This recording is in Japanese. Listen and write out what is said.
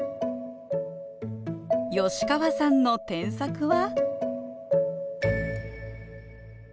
吉川さんの添削は？